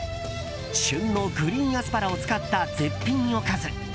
旬のグリーンアスパラを使った絶品おかず。